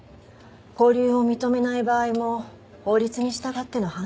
勾留を認めない場合も法律に従っての判断。